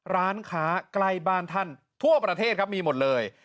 ร้านค้าใกล้บ้านท่านทั่วประเทศครับมีหมดเลย